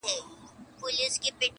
قلم هلته پاچا دی او کتاب پکښي وزیر دی,